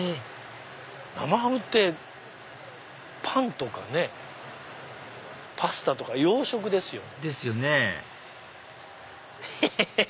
生ハムってパンとかねパスタとか洋食ですよ。ですよねヘヘヘヘ！